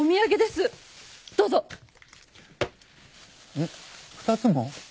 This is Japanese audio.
えっ２つも？